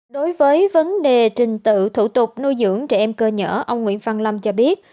đối với vấn đề trình tự thủ tục nuôi dưỡng trẻ em cơ nhở ông nguyễn văn lâm cho biết